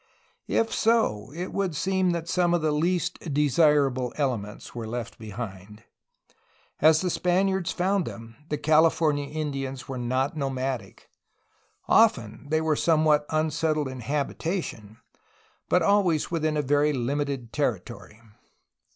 If so, it would seem that some of the least desirable elements were left behind. As the Spaniards found them the California Indians were not nomadic. Often they were somewhat un settled in habitation, but always within very limited terri tories.